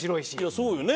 そうよね。